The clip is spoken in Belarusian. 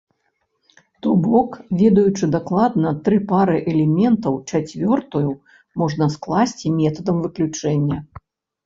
То бок, ведаючы дакладна тры пары элементаў, чацвёртую можна скласці метадам выключэння.